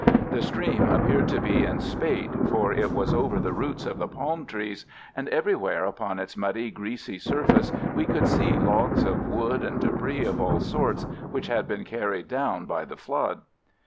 The stream appeared to be in spate, for it was over the roots of the palm trees, and everywhere upon its muddy, greasy surface we could see logs of wood and debris of all sorts which had been carried down by the flood.